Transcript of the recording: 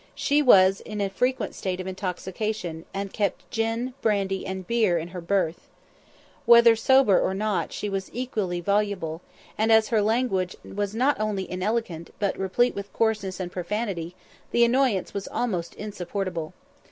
She was in a frequent state of intoxication, and kept gin, brandy, and beer in her berth. Whether sober or not, she was equally voluble; and as her language was not only inelegant, but replete with coarseness and profanity, the annoyance was almost insupportable.